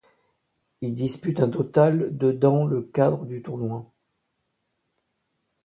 Il dispute un total de dans le cadre du Tournoi.